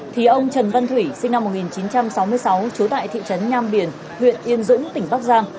thì ông trần văn thủy sinh năm một nghìn chín trăm sáu mươi sáu trú tại thị trấn nham biển huyện yên dũng tỉnh bắc giang